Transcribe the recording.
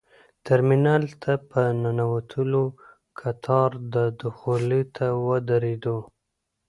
ترمینل ته په ننوتلو کتار دخولي ته ودرېدو.